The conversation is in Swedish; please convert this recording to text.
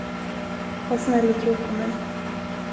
Var snäll och tro på mig.